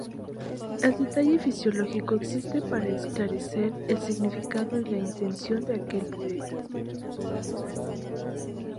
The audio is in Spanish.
El detalle filológico existe para esclarecer el significado y la intención de aquel poeta.